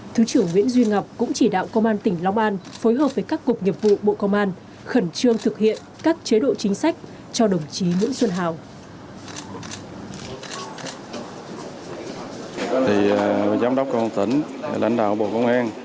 thứ trưởng nguyễn duy ngọc cũng chỉ đạo công an tỉnh long an phối hợp với các cục nghiệp vụ bộ công an khẩn trương thực hiện các chế độ chính sách cho đồng chí nguyễn xuân hào